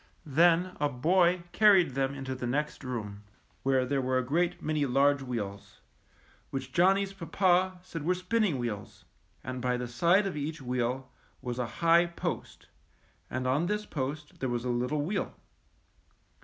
Then a boy carried them into the next room, where there were a great many large wheels, which Johnny's papa said were spinning wheels; and by the side of each wheel was a high post, and on this post there was a little wheel.